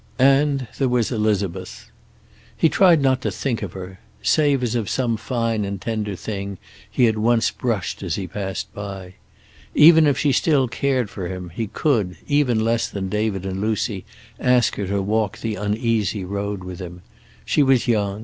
And there was Elizabeth. He tried not to think of her, save as of some fine and tender thing he had once brushed as he passed by. Even if she still cared for him, he could, even less than David and Lucy, ask her to walk the uneasy road with him. She was young.